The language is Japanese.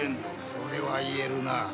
それは言えるな。